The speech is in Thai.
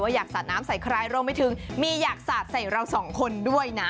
อยากสาดน้ำใส่ใครรวมไปถึงมีอยากสาดใส่เราสองคนด้วยนะ